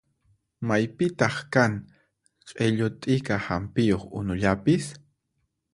Maypitaq kan q'illu t'ika hampiyuq unullapis?